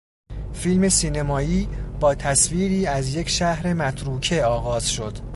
فیلم سینمایی با تصویری از یک شهر مترو که آغاز شد.